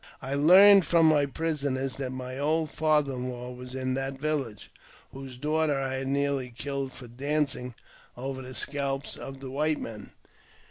I learned from my prisoners that my old father in law was in that village, whose daughter I had nearly killed for dancing over the scalps of the white men.